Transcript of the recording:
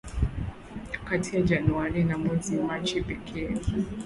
Kati ya Januari na mwezi Machi pekee